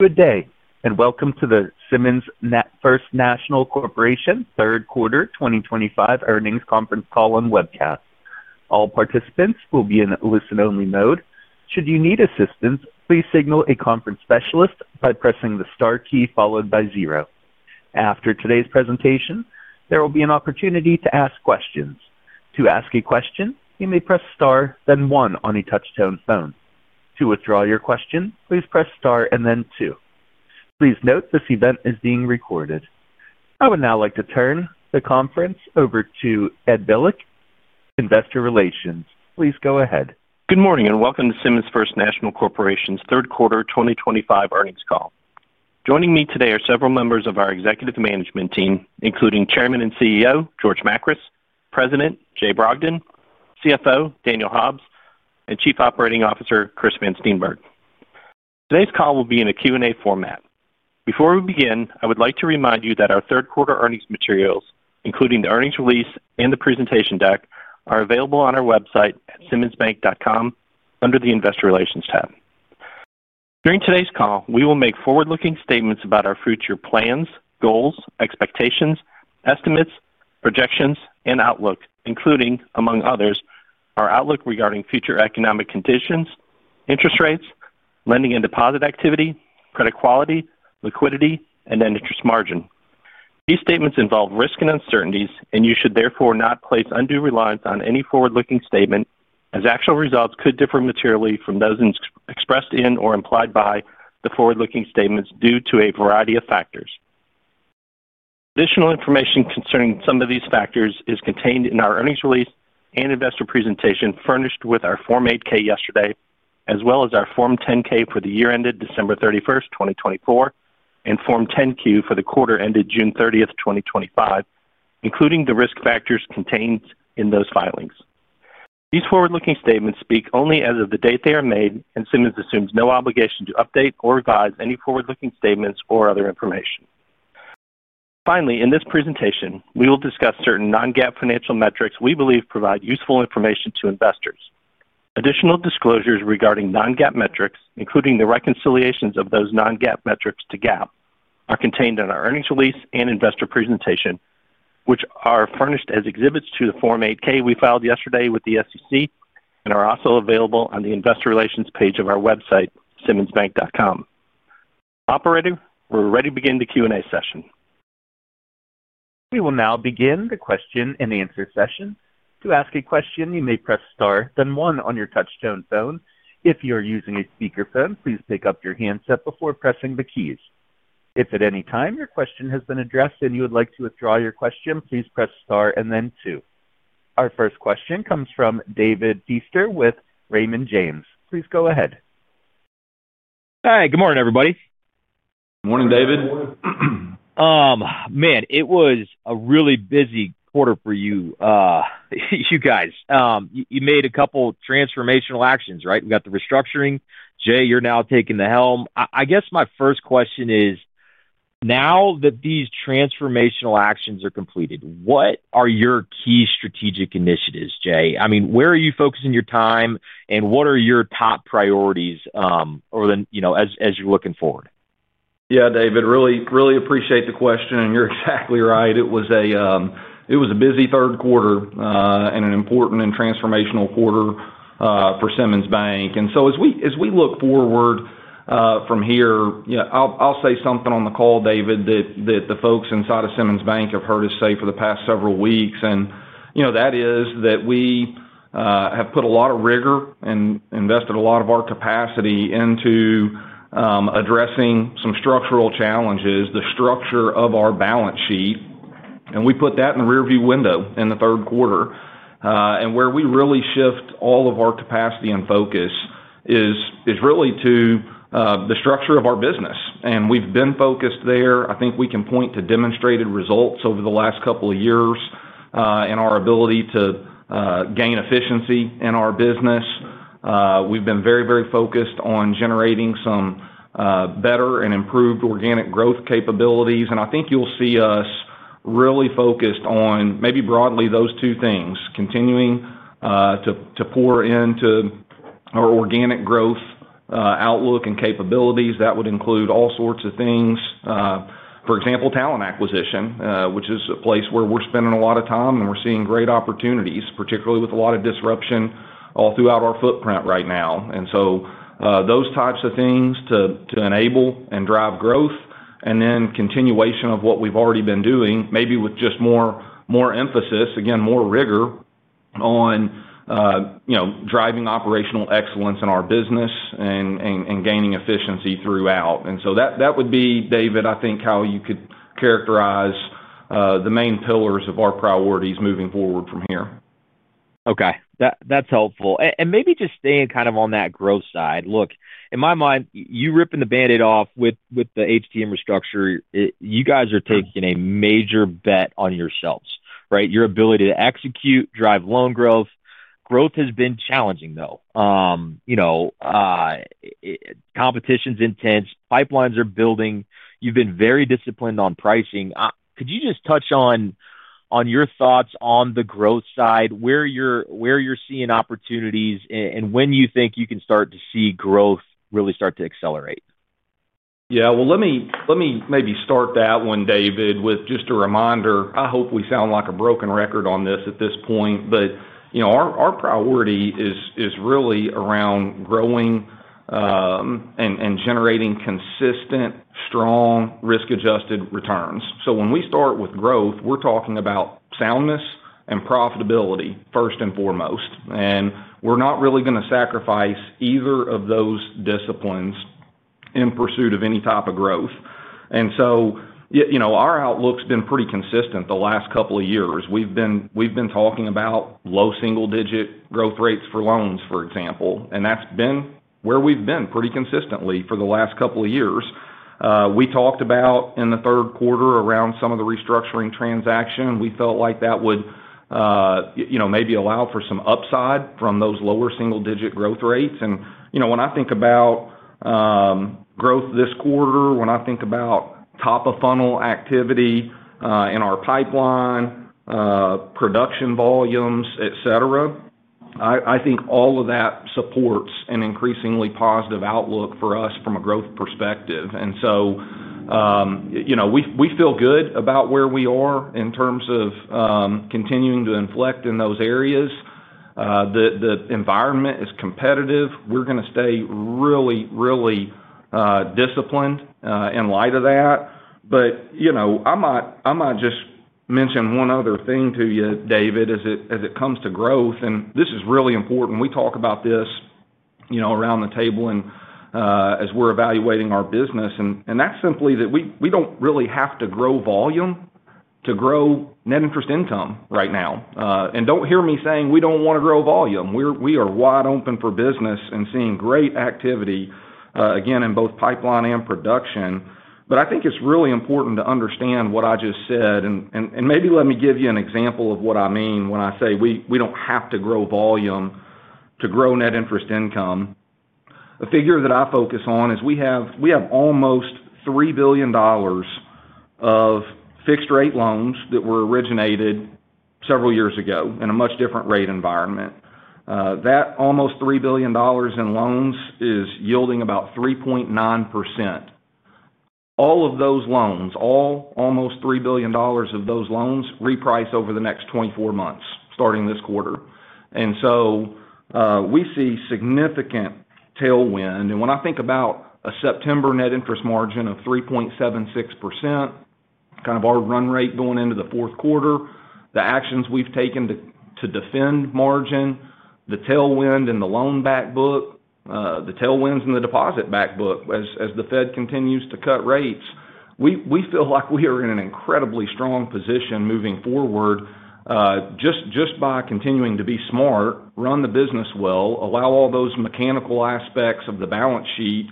Good day, and welcome to the Simmons First National Corporation Third Quarter 2025 Earnings Conference Call and Webcast. All participants will be in a listen-only mode. Should you need assistance, please signal a conference specialist by pressing the star key followed by zero. After today's presentation, there will be an opportunity to ask questions. To ask a question, you may press star, then one on a touch-tone phone. To withdraw your question, please press star and then two. Please note this event is being recorded. I would now like to turn the conference over to Ed Bilek, Investor Relations. Please go ahead. Good morning and welcome to Simmons First National Corporation's Third Quarter 2025 Earnings Call. Joining me today are several members of our executive management team, including Chairman and CEO George Makris, President Jay Brogdon, CFO Daniel Hobbs, and Chief Operating Officer Chris Van Steenburg. Today's call will be in a Q&A format. Before we begin, I would like to remind you that our Third Quarter Earnings materials, including the earnings release and the presentation deck, are available on our website at simmonsbank.com under the Investor Relations tab. During today's call, we will make forward-looking statements about our future plans, goals, expectations, estimates, projections, and outlook, including, among others, our outlook regarding future economic conditions, interest rates, lending and deposit activity, credit quality, liquidity, and interest margin. These statements involve risk and uncertainties, and you should therefore not place undue reliance on any forward-looking statement, as actual results could differ materially from those expressed in or implied by the forward-looking statements due to a variety of factors. Additional information concerning some of these factors is contained in our earnings release and investor presentation furnished with our Form 8-K yesterday, as well as our Form 10-K for the year ended December 31, 2024, and Form 10-Q for the quarter ended June 30, 2025, including the risk factors contained in those filings. These forward-looking statements speak only as of the date they are made, and Simmons assumes no obligation to update or revise any forward-looking statements or other information. Finally, in this presentation, we will discuss certain non-GAAP financial metrics we believe provide useful information to investors. Additional disclosures regarding non-GAAP metrics, including the reconciliations of those non-GAAP metrics to GAAP, are contained in our earnings release and investor presentation, which are furnished as exhibits to the Form 8-K we filed yesterday with the SEC and are also available on the Investor Relations page of our website, simmonsbank.com. Operator, we're ready to begin the Q&A session. We will now begin the question and answer session. To ask a question, you may press star, then one on your touch-tone phone. If you are using a speaker phone, please pick up your handset before pressing the keys. If at any time your question has been addressed and you would like to withdraw your question, please press star and then two. Our first question comes from David Hester with Raymond James. Please go ahead. Hi, good morning everybody. Morning David. Morning. It was a really busy quarter for you. You made a couple transformational actions, right? We got the restructuring. Jay, you're now taking the helm. I guess my first question is, now that these transformational actions are completed, what are your key strategic initiatives, Jay? I mean, where are you focusing your time and what are your top priorities as you're looking forward? Yeah, David, really appreciate the question and you're exactly right. It was a busy third quarter and an important and transformational quarter for Simmons Bank. As we look forward from here, I'll say something on the call, David, that the folks inside of Simmons Bank have heard us say for the past several weeks. That is that we have put a lot of rigor and invested a lot of our capacity into addressing some structural challenges, the structure of our balance sheet. We put that in the rearview window in the third quarter. Where we really shift all of our capacity and focus is really to the structure of our business, and we've been focused there. I think we can point to demonstrated results over the last couple of years in our ability to gain efficiency in our business. We've been very focused on generating some better and improved organic growth capabilities. I think you'll see us really focused on maybe broadly those two things, continuing to pour into our organic growth outlook and capabilities. That would include all sorts of things, for example, talent acquisition, which is a place where we're spending a lot of time and we're seeing great opportunities, particularly with a lot of disruption all throughout our footprint right now. Those types of things enable and drive growth and then continuation of what we've already been doing, maybe with just more emphasis, again, more rigor on driving operational excellence in our business and gaining efficiency throughout. That would be, David, I think how you could characterize the main pillars of our priorities moving forward from here. Okay, that's helpful. Maybe just staying kind of on that growth side, look, in my mind, you ripping the Band-Aid off with the HTM restructure, you guys are taking a major bet on yourselves, right? Your ability to execute, drive loan growth. Growth has been challenging though. You know, competition's intense, pipelines are building. You've been very disciplined on pricing. Could you just touch on your thoughts on the growth side, where you're seeing opportunities and when you think you can start to see growth really start to accelerate? Let me maybe start that one, David, with just a reminder. I hope we sound like a broken record on this at this point, but our priority is really around growing and generating consistent, strong risk-adjusted returns. When we start with growth, we're talking about soundness and profitability first and foremost. We're not really going to sacrifice either of those disciplines in pursuit of any type of growth. Our outlook's been pretty consistent the last couple of years. We've been talking about low single-digit growth rates for loans, for example, and that's been where we've been pretty consistently for the last couple of years. We talked about in the third quarter around some of the restructuring transaction. We felt like that would maybe allow for some upside from those lower single-digit growth rates. When I think about growth this quarter, when I think about top-of-funnel activity in our pipeline, production volumes, et cetera, I think all of that supports an increasingly positive outlook for us from a growth perspective. We feel good about where we are in terms of continuing to inflect in those areas. The environment is competitive. We're going to stay really, really disciplined in light of that. I might just mention one other thing to you, David, as it comes to growth, and this is really important. We talk about this around the table and as we're evaluating our business, and that's simply that we don't really have to grow volume to grow net interest income right now. Don't hear me saying we don't want to grow volume. We are wide open for business and seeing great activity, again, in both pipeline and production. I think it's really important to understand what I just said. Maybe let me give you an example of what I mean when I say we don't have to grow volume to grow net interest income. A figure that I focus on is we have almost $3 billion of fixed-rate loans that were originated several years ago in a much different rate environment. That almost $3 billion in loans is yielding about 3.9%. All of those loans, all almost $3 billion of those loans, reprice over the next 24 months, starting this quarter. We see significant tailwind. When I think about a September net interest margin of 3.76%, kind of our run rate going into the fourth quarter, the actions we've taken to defend margin, the tailwind in the loan backbook, the tailwinds in the deposit backbook as the Fed continues to cut rates, we feel like we are in an incredibly strong position moving forward just by continuing to be smart, run the business well, allow all those mechanical aspects of the balance sheet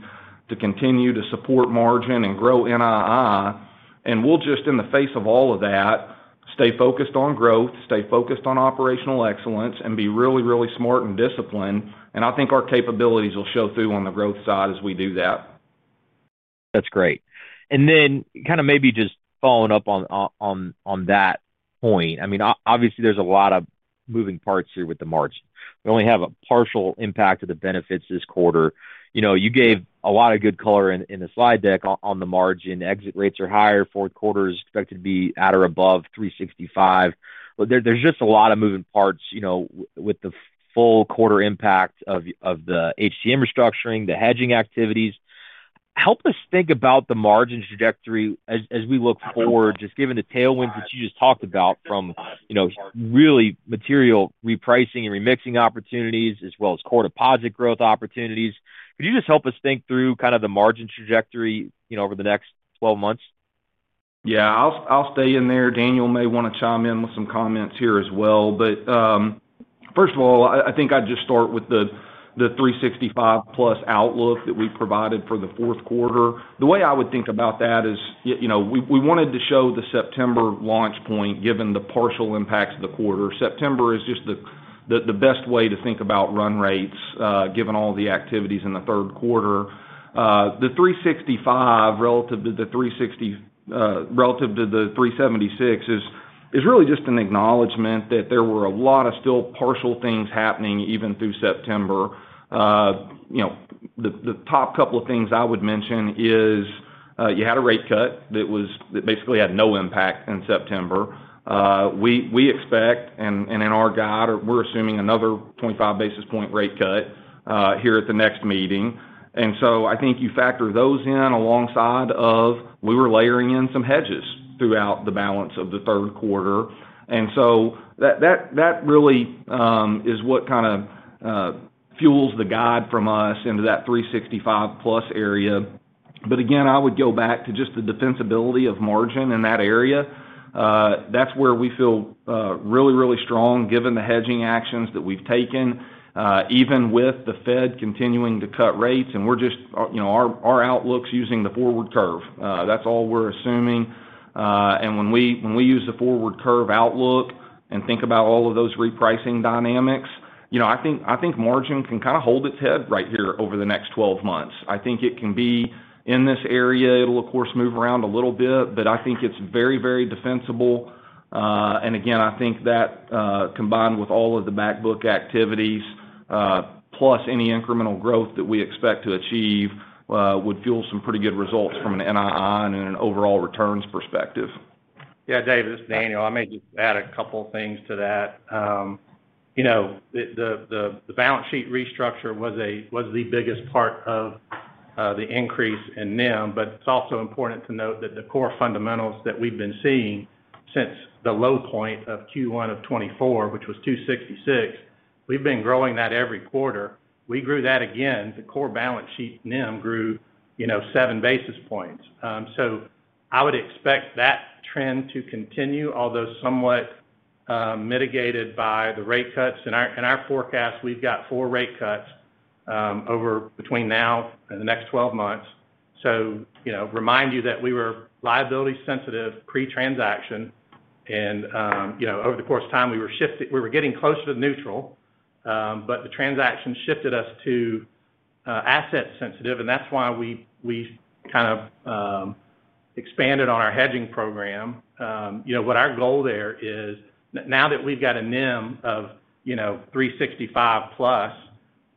to continue to support margin and grow NII. In the face of all of that, we will stay focused on growth, stay focused on operational excellence, and be really, really smart and disciplined. I think our capabilities will show through on the growth side as we do that. That's great. Maybe just following up on that point. Obviously there's a lot of moving parts here with the margin. We only have a partial impact of the benefits this quarter. You gave a lot of good color in the slide deck on the margin. Exit rates are higher. Fourth quarter is expected to be at or above 3.65%. There's just a lot of moving parts with the full quarter impact of the HTM restructuring and the hedging activities. Help us think about the margin trajectory as we look forward, just given the tailwinds that you just talked about from really material repricing and remixing opportunities, as well as core deposit growth opportunities. Could you just help us think through the margin trajectory over the next 12 months? Yeah, I'll stay in there. Daniel may want to chime in with some comments here as well. First of all, I think I'd just start with the 365+ outlook that we provided for the fourth quarter. The way I would think about that is, you know, we wanted to show the September launch point, given the partial impacts of the quarter. September is just the best way to think about run rates, given all the activities in the third quarter. The 365 relative to the 360, relative to the 376, is really just an acknowledgement that there were a lot of still partial things happening even through September. The top couple of things I would mention is, you had a rate cut that basically had no impact in September. We expect, and in our guide, we're assuming another 25 basis point rate cut here at the next meeting. I think you factor those in alongside of we were layering in some hedges throughout the balance of the third quarter. That really is what kind of fuels the guide from us into that 365+ area. Again, I would go back to just the defensibility of margin in that area. That's where we feel really, really strong given the hedging actions that we've taken, even with the Fed continuing to cut rates. We're just, you know, our outlook's using the forward curve. That's all we're assuming. When we use the forward curve outlook and think about all of those repricing dynamics, I think margin can kind of hold its head right here over the next 12 months. I think it can be in this area. It'll, of course, move around a little bit, but I think it's very, very defensible. Again, I think that, combined with all of the backbook activities, plus any incremental growth that we expect to achieve, would fuel some pretty good results from an NII and an overall returns perspective. Yeah, David, this is Daniel. I may just add a couple things to that. The balance sheet restructuring was the biggest part of the increase in NIM, but it's also important to note that the core fundamentals that we've been seeing since the low point of Q1 of 2024, which was 2.66, we've been growing that every quarter. We grew that again. The core balance sheet NIM grew seven basis points. I would expect that trend to continue, although somewhat mitigated by the rate cuts. In our forecast, we've got four rate cuts over between now and the next 12 months. You know, remind you that we were liability sensitive pre-transaction. Over the course of time, we were shifting, we were getting closer to neutral, but the transaction shifted us to asset sensitive. That's why we expanded on our hedging program. What our goal there is now that we've got a NIM of 3.65+,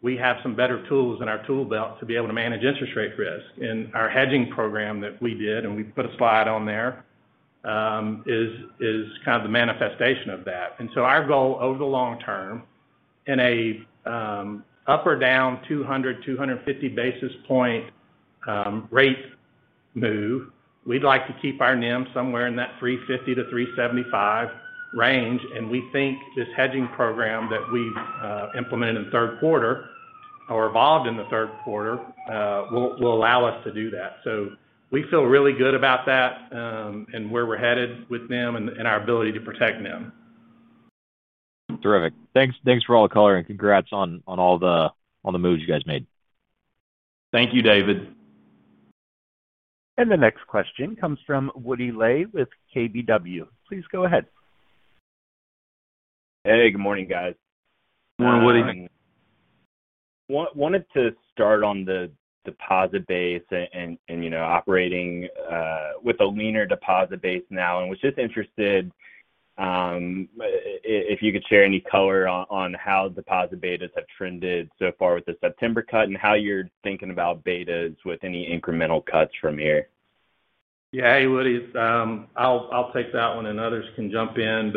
we have some better tools in our tool belt to be able to manage interest rate risk. Our hedging program that we did, and we put a slide on there, is kind of the manifestation of that. Our goal over the long term in an up or down 200 basis point, 250 basis point rate move, we'd like to keep our NIM somewhere in that 3.50-3.75 range. We think this hedging program that we've implemented in the third quarter or evolved in the third quarter will allow us to do that. We feel really good about that and where we're headed with NIM and our ability to protect NIM. Terrific. Thanks for all the color and congrats on all the moves you guys made. Thank you, David. next question comes from Woody Lay with KBW. Please go ahead. Hey, good morning, guys. Morning, Woody. Wanted to start on the deposit base. You know, operating with a leaner deposit base now, I was just interested if you could share any color on how deposit betas have trended so far with the September cut and how you're thinking about betas with any incremental cuts from here. Yeah, hey, Woody, I'll take that one and others can jump in.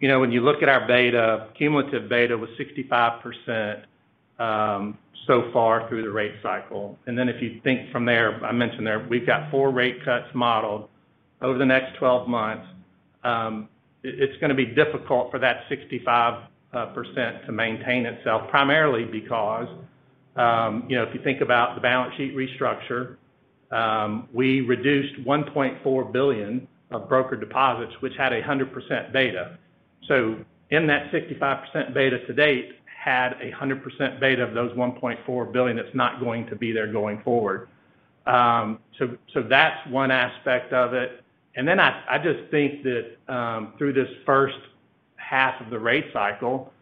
When you look at our beta, cumulative beta was 65% so far through the rate cycle. If you think from there, I mentioned we've got four rate cuts modeled over the next 12 months. It's going to be difficult for that 65% to maintain itself primarily because, if you think about the balance sheet restructuring, we reduced $1.4 billion of brokered deposits, which had a 100% beta. In that 65% beta to date, we had a 100% beta on those $1.4 billion that's not going to be there going forward. That's one aspect of it. I just think that through this first half of the rate cycle,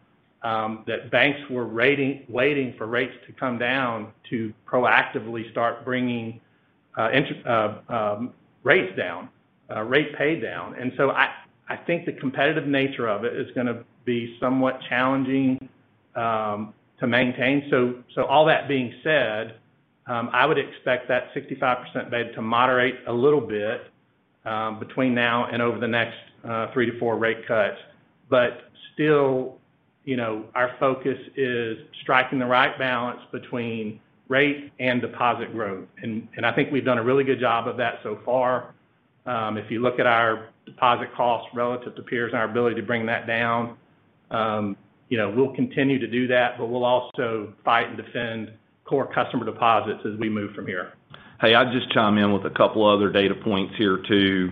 banks were waiting for rates to come down to proactively start bringing rates down, rate pay down. I think the competitive nature of it is going to be somewhat challenging to maintain. All that being said, I would expect that 65% beta to moderate a little bit between now and over the next three to four rate cuts. Still, our focus is striking the right balance between rate and deposit growth, and I think we've done a really good job of that so far. If you look at our deposit costs relative to peers and our ability to bring that down, we'll continue to do that, but we'll also fight and defend core customer deposits as we move from here. Hey, I'd just chime in with a couple other data points here too,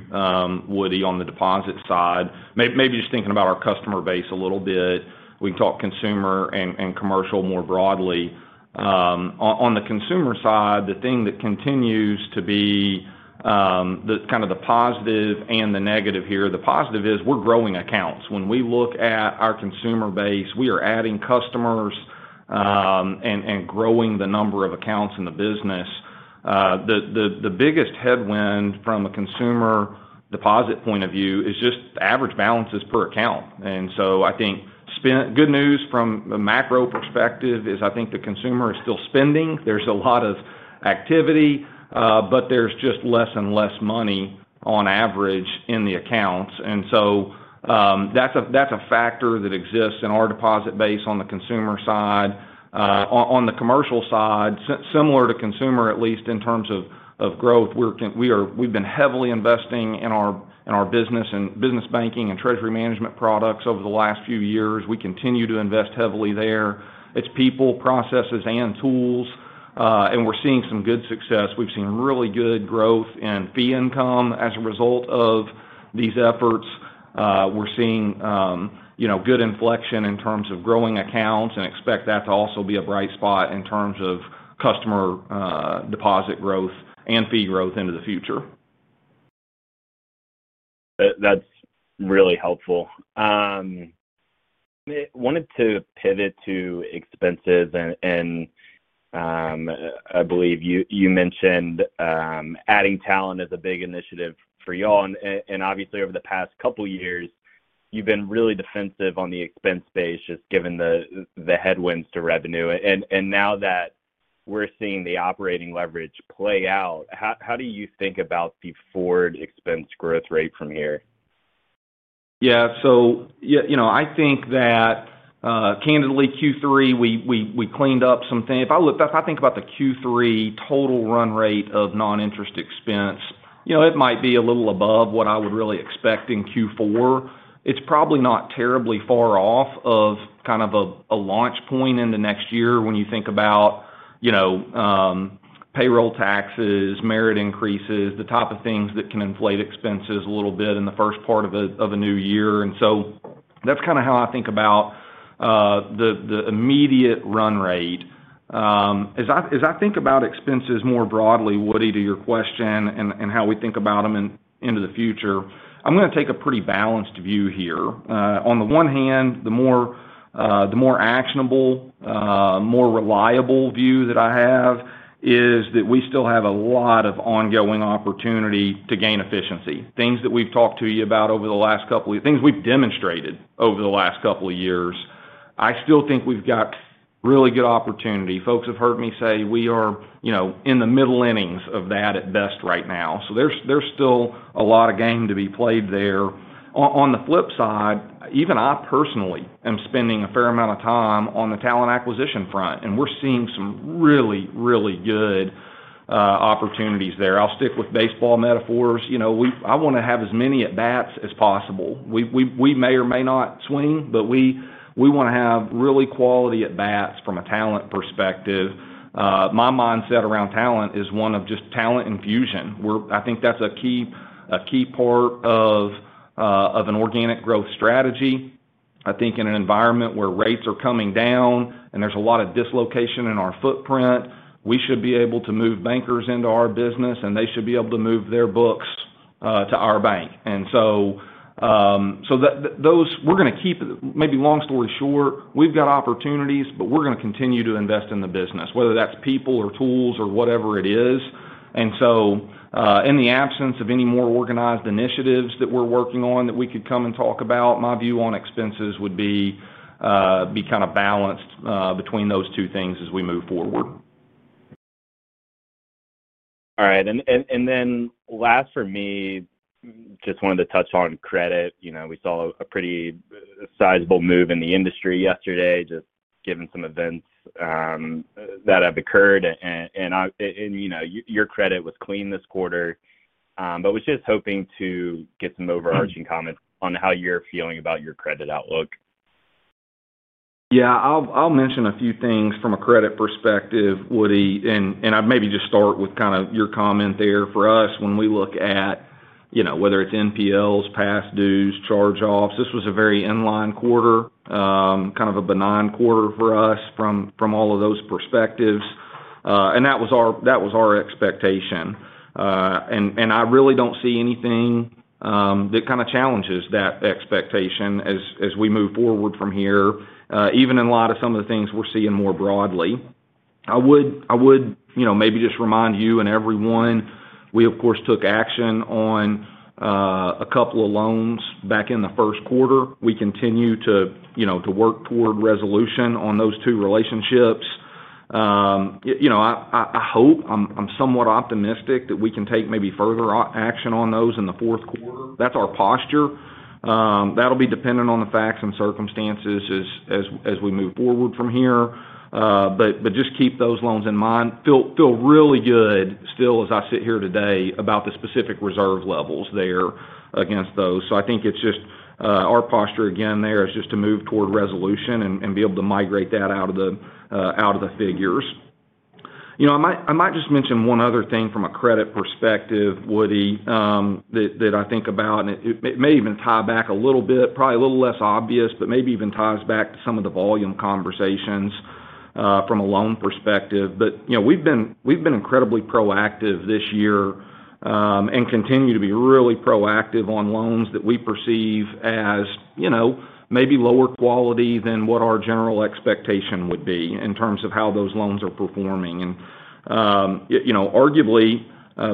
Woody, on the deposit side. Maybe just thinking about our customer base a little bit. We can talk consumer and commercial more broadly. On the consumer side, the thing that continues to be the kind of the positive and the negative here, the positive is we're growing accounts. When we look at our consumer base, we are adding customers and growing the number of accounts in the business. The biggest headwind from a consumer deposit point of view is just the average balances per account. I think good news from a macro perspective is I think the consumer is still spending. There's a lot of activity, but there's just less and less money on average in the accounts. That's a factor that exists in our deposit base on the consumer side. On the commercial side, similar to consumer, at least in terms of growth, we are, we've been heavily investing in our business and business banking and treasury management products over the last few years. We continue to invest heavily there. It's people, processes, and tools. We're seeing some good success. We've seen really good growth in fee income as a result of these efforts. We're seeing good inflection in terms of growing accounts and expect that to also be a bright spot in terms of customer deposit growth and fee growth into the future. That's really helpful. I wanted to pivot to expenses. I believe you mentioned adding talent is a big initiative for y'all. Obviously, over the past couple of years, you've been really defensive on the expense base, just given the headwinds to revenue. Now that we're seeing the operating leverage play out, how do you think about the forward expense growth rate from here? Yeah, so I think that, candidly, Q3, we cleaned up some things. If I think about the Q3 total run rate of non-interest expense, it might be a little above what I would really expect in Q4. It's probably not terribly far off of kind of a launch point in the next year when you think about payroll taxes, merit increases, the type of things that can inflate expenses a little bit in the first part of a new year. That's kind of how I think about the immediate run rate. As I think about expenses more broadly, Woody, to your question and how we think about them into the future, I'm going to take a pretty balanced view here. On the one hand, the more actionable, more reliable view that I have is that we still have a lot of ongoing opportunity to gain efficiency. Things that we've talked to you about over the last couple of years, things we've demonstrated over the last couple of years, I still think we've got really good opportunity. Folks have heard me say we are in the middle innings of that at best right now. There's still a lot of game to be played there. On the flip side, even I personally am spending a fair amount of time on the talent acquisition front, and we're seeing some really, really good opportunities there. I'll stick with baseball metaphors. I want to have as many at bats as possible. We may or may not swing, but we want to have really quality at bats from a talent perspective. My mindset around talent is one of just talent infusion. I think that's a key part of an organic growth strategy. I think in an environment where rates are coming down and there's a lot of dislocation in our footprint, we should be able to move bankers into our business and they should be able to move their books to our bank. Those, we're going to keep, maybe long story short, we've got opportunities, but we're going to continue to invest in the business, whether that's people or tools or whatever it is. In the absence of any more organized initiatives that we're working on that we could come and talk about, my view on expenses would be kind of balanced between those two things as we move forward. All right. Last for me, just wanted to touch on credit. We saw a pretty sizable move in the industry yesterday, just given some events that have occurred. I know your credit was clean this quarter, but I was just hoping to get some overarching comments on how you're feeling about your credit outlook. Yeah, I'll mention a few things from a credit perspective, Woody, and I'd maybe just start with your comment there for us when we look at, you know, whether it's NPLs, past dues, charge-offs. This was a very inline quarter, kind of a benign quarter for us from all of those perspectives. That was our expectation, and I really don't see anything that challenges that expectation as we move forward from here, even in light of some of the things we're seeing more broadly. I would maybe just remind you and everyone, we, of course, took action on a couple of loans back in the first quarter. We continue to work toward resolution on those two relationships. I'm somewhat optimistic that we can take maybe further action on those in the fourth quarter. That's our posture. That'll be dependent on the facts and circumstances as we move forward from here, but just keep those loans in mind. Feel really good still as I sit here today about the specific reserve levels there against those. I think it's just, our posture again there is just to move toward resolution and be able to migrate that out of the figures. I might just mention one other thing from a credit perspective, Woody, that I think about, and it may even tie back a little bit, probably a little less obvious, but maybe even ties back to some of the volume conversations from a loan perspective. We've been incredibly proactive this year, and continue to be really proactive on loans that we perceive as maybe lower quality than what our general expectation would be in terms of how those loans are performing. Arguably,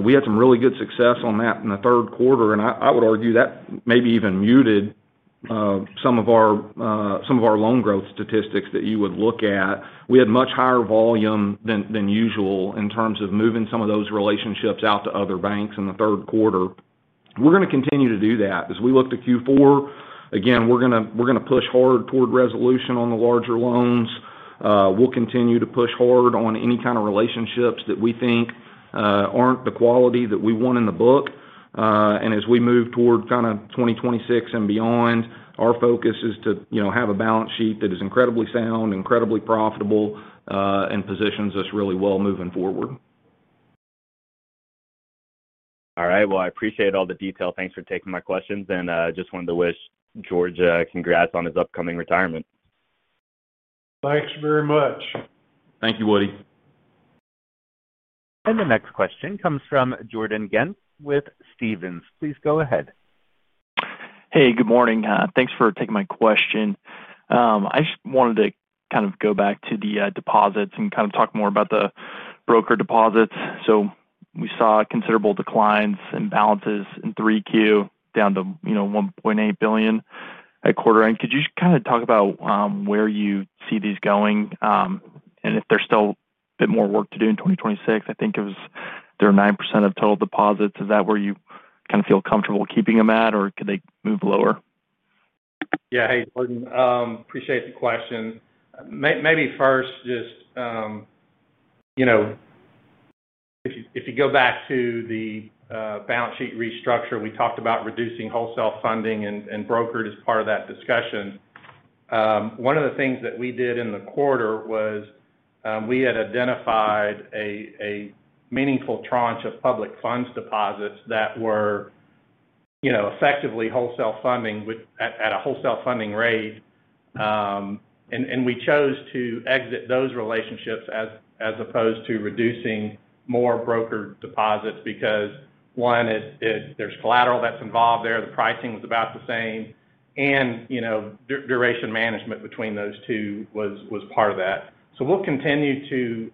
we had some really good success on that in the third quarter, and I would argue that maybe even muted some of our loan growth statistics that you would look at. We had much higher volume than usual in terms of moving some of those relationships out to other banks in the third quarter. We're going to continue to do that. As we look to Q4, again, we're going to push hard toward resolution on the larger loans. We'll continue to push hard on any kind of relationships that we think aren't the quality that we want in the book, and as we move toward 2026 and beyond, our focus is to have a balance sheet that is incredibly sound, incredibly profitable, and positions us really well moving forward. All right. I appreciate all the detail. Thanks for taking my questions. I just wanted to wish George, congrats on his upcoming retirement. Thanks very much. Thank you, Woody. The next question comes from Jordan Ghent with Stephens Inc. Please go ahead. Hey, good morning. Thanks for taking my question. I just wanted to kind of go back to the deposits and kind of talk more about the brokered deposits. We saw considerable declines in balances in Q3 down to $1.8 billion at quarter end. Could you just kind of talk about where you see these going? If there's still a bit more work to do in 2026, I think it was they're 9% of total deposits. Is that where you kind of feel comfortable keeping them at, or could they move lower? Yeah, hey, Jordan, appreciate the question. Maybe first, if you go back to the balance sheet restructuring, we talked about reducing wholesale funding and brokered as part of that discussion. One of the things that we did in the quarter was, we had identified a meaningful tranche of public funds deposits that were effectively wholesale funding at a wholesale funding rate, and we chose to exit those relationships as opposed to reducing more brokered deposits because, one, there's collateral that's involved there. The pricing was about the same, and duration management between those two was part of that. We will continue to,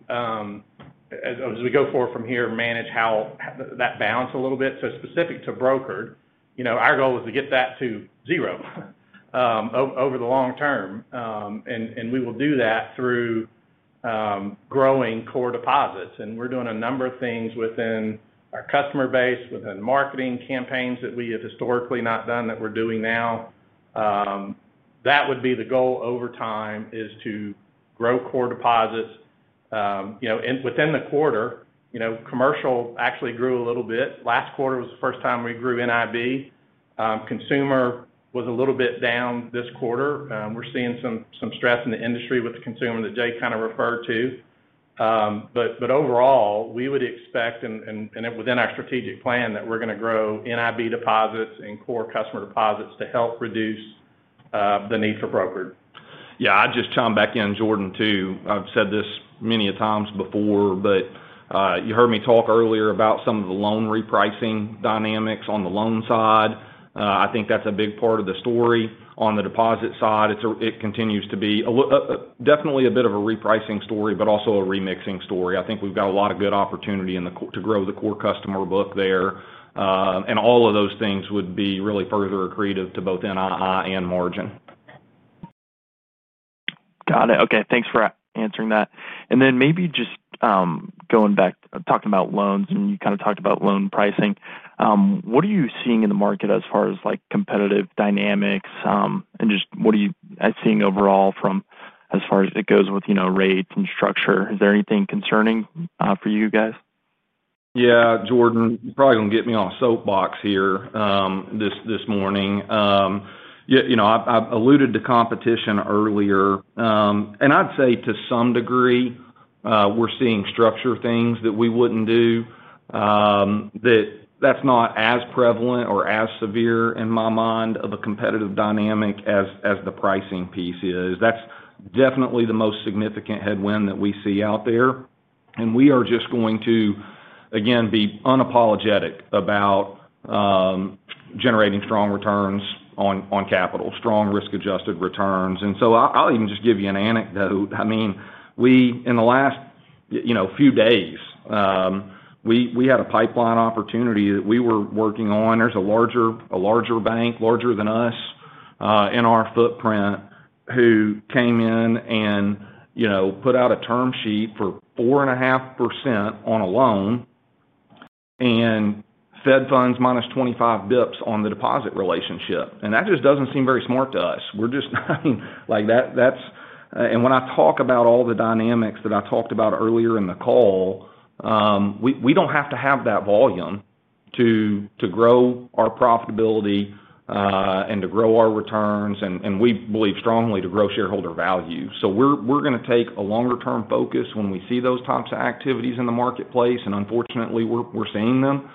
as we go forward from here, manage how that balances a little bit. Specific to brokered, our goal is to get that to zero over the long term, and we will do that through growing core deposits. We're doing a number of things within our customer base, within marketing campaigns that we have historically not done that we're doing now. That would be the goal over time, to grow core deposits. Within the quarter, commercial actually grew a little bit. Last quarter was the first time we grew NIB. Consumer was a little bit down this quarter. We're seeing some stress in the industry with the consumer that Jay kind of referred to. Overall, we would expect, and within our strategic plan, that we're going to grow NIB deposits and core customer deposits to help reduce the need for brokered. Yeah, I'd just chime back in, Jordan, too. I've said this many times before, but you heard me talk earlier about some of the loan repricing dynamics on the loan side. I think that's a big part of the story on the deposit side. It continues to be a little, definitely a bit of a repricing story, but also a remixing story. I think we've got a lot of good opportunity in the core to grow the core customer book there, and all of those things would be really further accretive to both NII and margin. Got it. Okay, thanks for answering that. Maybe just going back, talking about loans, and you kind of talked about loan pricing. What are you seeing in the market as far as competitive dynamics? What are you seeing overall as far as it goes with rates and structure? Is there anything concerning for you guys? Yeah, Jordan, you're probably going to get me off soapbox here this morning. You know, I've alluded to competition earlier, and I'd say to some degree, we're seeing structure things that we wouldn't do. That's not as prevalent or as severe in my mind of a competitive dynamic as the pricing piece is. That's definitely the most significant headwind that we see out there. We are just going to, again, be unapologetic about generating strong returns on capital, strong risk-adjusted returns. I'll even just give you an anecdote. In the last few days, we had a pipeline opportunity that we were working on. There's a larger bank, larger than us, in our footprint who came in and put out a term sheet for 4.5% on a loan and Fed funds -25 bps on the deposit relationship. That just doesn't seem very smart to us. We're just not like that. When I talk about all the dynamics that I talked about earlier in the call, we don't have to have that volume to grow our profitability and to grow our returns, and we believe strongly to grow shareholder value. We're going to take a longer-term focus when we see those types of activities in the marketplace. Unfortunately, we're seeing them.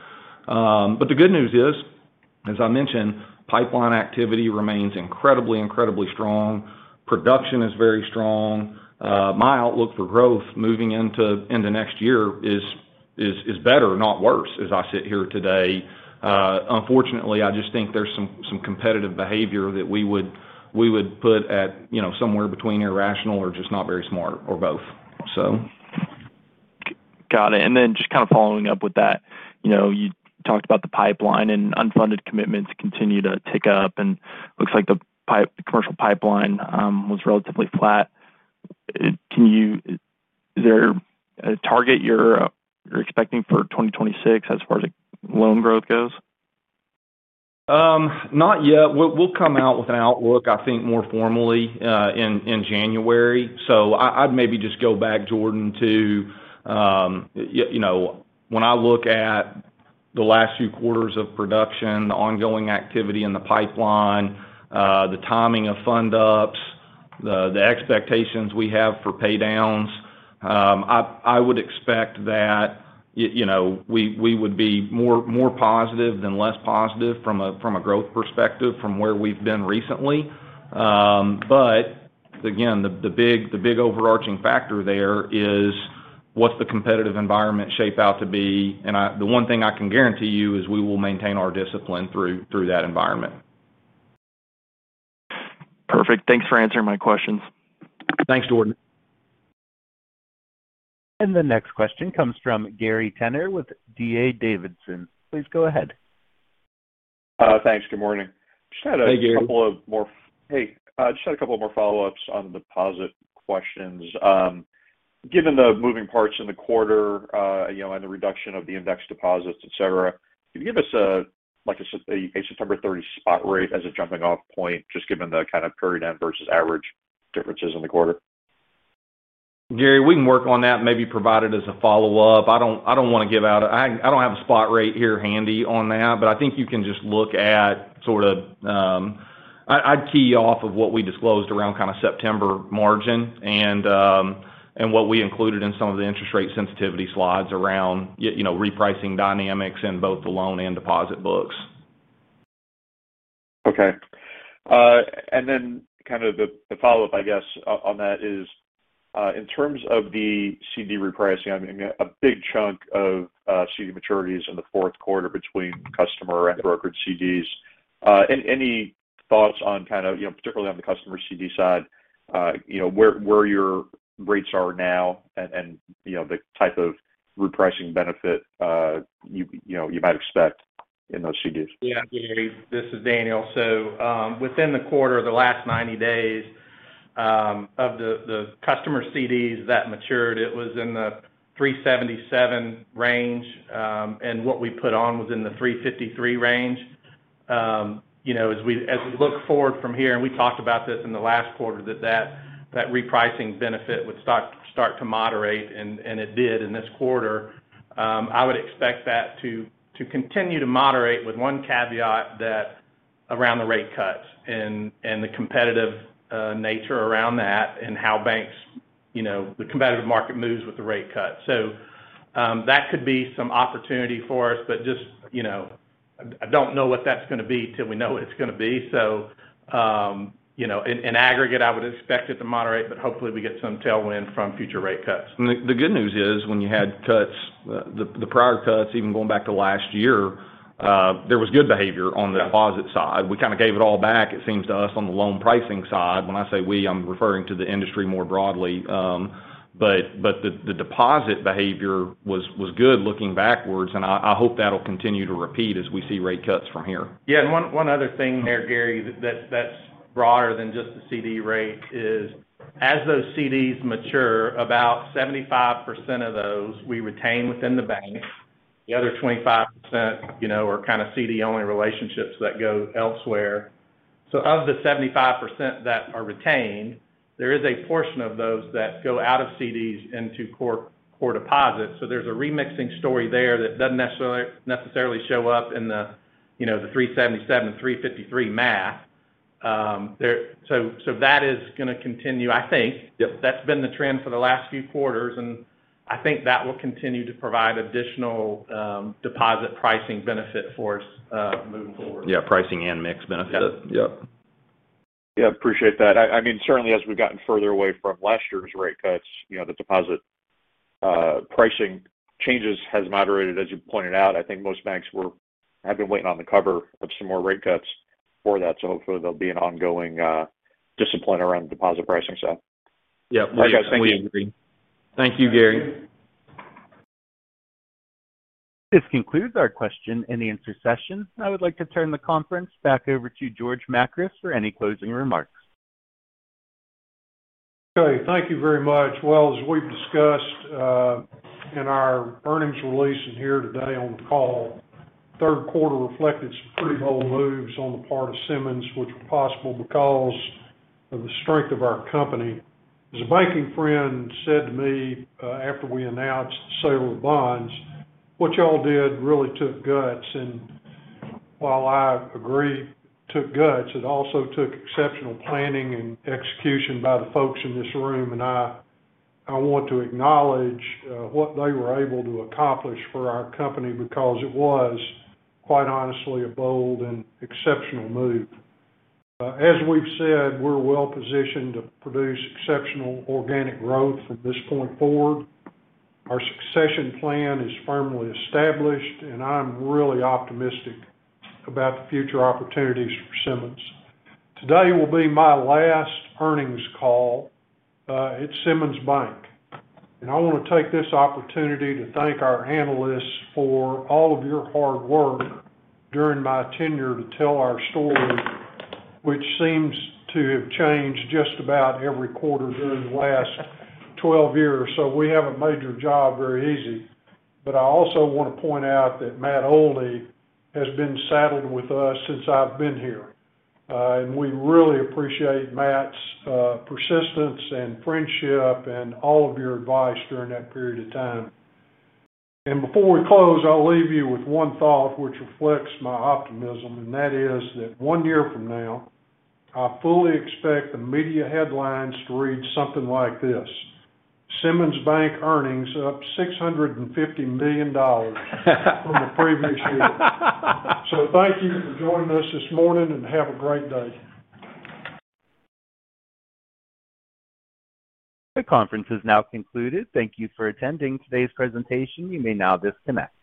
The good news is, as I mentioned, pipeline activity remains incredibly, incredibly strong. Production is very strong. My outlook for growth moving into next year is better, not worse, as I sit here today. Unfortunately, I just think there's some competitive behavior that we would put at somewhere between irrational or just not very smart or both. Got it. Just kind of following up with that, you talked about the pipeline and unfunded commitments continue to tick up, and it looks like the commercial pipeline was relatively flat. Is there a target you're expecting for 2026 as far as loan growth goes? Not yet. We'll come out with an outlook, I think more formally in January. I'd maybe just go back, Jordan, to when I look at the last few quarters of production, the ongoing activity in the pipeline, the timing of fund-ups, the expectations we have for paydowns. I would expect that we would be more positive than less positive from a growth perspective from where we've been recently. The big overarching factor there is what's the competitive environment shape out to be. The one thing I can guarantee you is we will maintain our discipline through that environment. Perfect. Thanks for answering my questions. Thanks, Jordan. The next question comes from Gary Tenner with D.A. Davidson. Please go ahead. Thanks. Good morning. Just had a couple more. Hey, Gary. Hey, just had a couple more follow-ups on the deposit questions. Given the moving parts in the quarter, you know, and the reduction of the index deposits, et cetera, can you give us a September 30 spot rate as a jumping-off point, just given the kind of period and versus average differences in the quarter? Gary, we can work on that, maybe provide it as a follow-up. I don't want to give out a, I don't have a spot rate here handy on that, but I think you can just look at sort of, I'd key off of what we disclosed around kind of September margin and what we included in some of the interest rate sensitivity slides around repricing dynamics in both the loan and deposit books. Okay, then kind of the follow-up, I guess, on that is, in terms of the CD repricing, I mean, a big chunk of CD maturities in the fourth quarter between customer and brokered CDs. Any thoughts on kind of, you know, particularly on the customer CD side, you know, where your rates are now and, you know, the type of repricing benefit you, you know, you might expect in those CDs. Yeah, Gary, this is Daniel. Within the quarter, the last 90 days, of the customer CDs that matured, it was in the 3.77% range. What we put on was in the 3.53% range. As we look forward from here, and we talked about this in the last quarter, that repricing benefit would start to moderate, and it did in this quarter. I would expect that to continue to moderate with one caveat, that around the rate cuts and the competitive nature around that and how banks, the competitive market moves with the rate cuts. That could be some opportunity for us, but I don't know what that's going to be till we know what it's going to be. In aggregate, I would expect it to moderate, but hopefully we get some tailwind from future rate cuts. The good news is when you had cuts, the prior cuts, even going back to last year, there was good behavior on the deposit side. We kind of gave it all back, it seems to us, on the loan pricing side. When I say we, I'm referring to the industry more broadly. The deposit behavior was good looking backwards, and I hope that'll continue to repeat as we see rate cuts from here. Yeah, one other thing there, Gary, that's broader than just the CD rate is as those CDs mature, about 75% of those we retain within the bank. The other 25% are kind of CD-only relationships that go elsewhere. Of the 75% that are retained, there is a portion of those that go out of CDs into core deposits. There's a remixing story there that doesn't necessarily show up in the 377 and 353 math. That is going to continue, I think. That's been the trend for the last few quarters, and I think that will continue to provide additional deposit pricing benefit for us, moving forward. Yeah, pricing and mix benefit. Yeah, appreciate that. I mean, certainly as we've gotten further away from last year's rate cuts, the deposit pricing changes have moderated, as you pointed out. I think most banks haven't been waiting on the cover of some more rate cuts for that. Hopefully there'll be an ongoing discipline around the deposit pricing side. Yeah, we agree. Thank you, Gary. This concludes our question and answer session. I would like to turn the conference back over to George Makris for any closing remarks. Thank you very much. As we've discussed in our earnings release and here today on the call, the third quarter reflected some pretty bold moves on the part of Simmons, which were possible because of the strength of our company. As a banking friend said to me after we announced the sale of the bonds, what y'all did really took guts. I agree it took guts, it also took exceptional planning and execution by the folks in this room. I want to acknowledge what they were able to accomplish for our company because it was quite honestly a bold and exceptional move. As we've said, we're well positioned to produce exceptional organic growth from this point forward. Our succession plan is firmly established, and I'm really optimistic about the future opportunities for Simmons. Today will be my last earnings call at Simmons First National Corporation. I want to take this opportunity to thank our analysts for all of your hard work during my tenure to tell our story, which seems to have changed just about every quarter during the last 12 years. We haven't made your job very easy. I also want to point out that Matt Ole has been saddled with us since I've been here, and we really appreciate Matt's persistence and friendship and all of your advice during that period of time. Before we close, I'll leave you with one thought, which reflects my optimism, and that is that one year from now, I fully expect the media headlines to read something like this: Simmons First National Corporation earnings up $650 million from the previous year. Thank you for joining us this morning and have a great day. The conference is now concluded. Thank you for attending today's presentation. You may now disconnect.